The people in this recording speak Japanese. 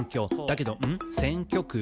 「だけどん、選挙区？